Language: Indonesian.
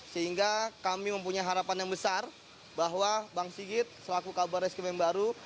sehingga kami mempunyai harapan yang besar bahwa bang sigit selaku kabar reskrim yang baru